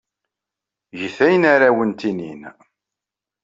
Gemt ayen ara awent-inin.